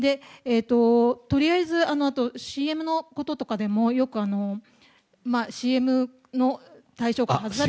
とりあえず、ＣＭのこととかでもよく、ＣＭの対象から外されたり。